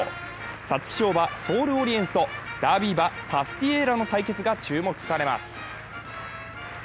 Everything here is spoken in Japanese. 皐月賞馬・ソールオリエンスとダービー馬・タスティエーラの対決が注目されます